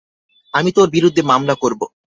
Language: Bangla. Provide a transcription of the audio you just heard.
আমি তোর বিরুদ্ধে মামলা করব!